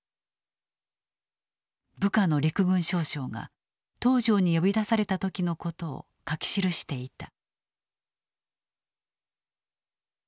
部下の陸軍少将が東條に呼び出された時のことを書き記していた。